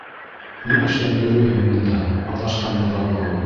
Ни эшләп йөрөйһөң бында аҙашҡан быҙау кеүек?